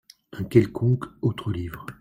Un quelconque autre livre.